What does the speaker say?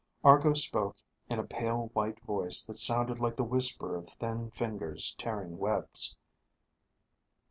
_ _Argo spoke in a pale white voice that sounded like the whisper of thin fingers tearing webs.